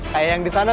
kayak yang disana tuh